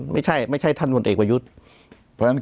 ไม่ใช่ท่านคนเอกว่ายุทธ์